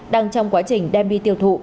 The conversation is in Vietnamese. đang trong quá trình đem đi tiêu thụ